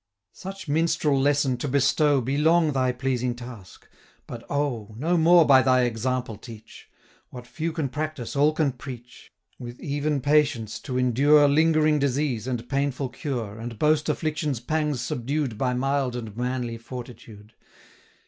165 Such minstrel lesson to bestow Be long thy pleasing task, but, O! No more by thy example teach, What few can practise, all can preach, With even patience to endure 170 Lingering disease, and painful cure, And boast affliction's pangs subdued By mild and manly fortitude.